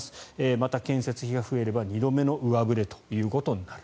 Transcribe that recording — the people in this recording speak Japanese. また、建設費が増えれば２度目の上振れとなる。